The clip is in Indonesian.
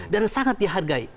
dan sangat dihargai